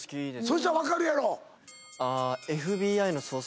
そしたら分かるやろ。